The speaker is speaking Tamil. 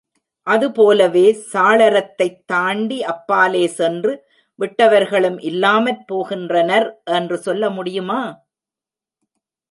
அதுபோலவே, சாளரத்தைத் தாண்டி அப்பாலே சென்று விட்டவர்களும் இல்லாமற் போகின்றனர் என்று சொல்ல முடியுமா?